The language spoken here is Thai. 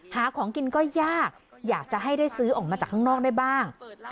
หาของกินก็ยากอยากจะให้ได้ซื้อออกมาจากข้างนอกได้บ้าง